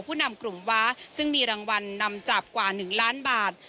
ผู้นำกลุ่มว้าซึ่งมีรางวัลนำจับกว่า๑ล้านบาท